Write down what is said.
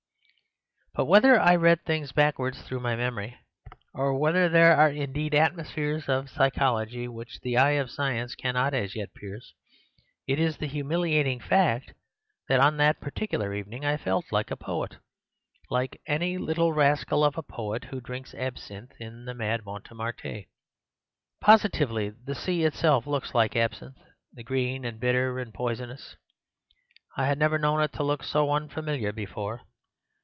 "But whether I read things backwards through my memory, or whether there are indeed atmospheres of psychology which the eye of science cannot as yet pierce, it is the humiliating fact that on that particular evening I felt like a poet—like any little rascal of a poet who drinks absinthe in the mad Montmartre. "Positively the sea itself looked like absinthe, green and bitter and poisonous. I had never known it look so unfamiliar before.